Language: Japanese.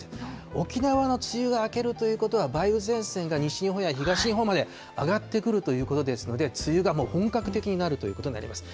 沖縄の梅雨が明けるということは、梅雨前線が西日本や東日本まで上がってくるということですので、梅雨がもう本格的になるということになります。